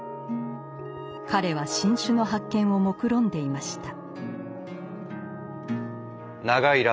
彼は新種の発見をもくろんでいました。